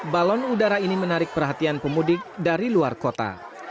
balon udara ini menarik perhatian pemudik dari luar kota